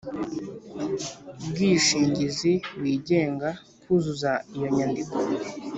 Bwishingizi wigenga kuzuza iyo nyandiko